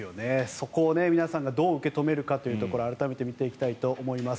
そこを皆さんがどう受け止めるというところ改めて見ていきたいと思います。